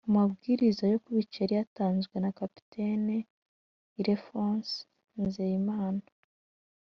Amabwiriza yo kubica yari yatanzwe na Captain Ilephonse Nzeyimana.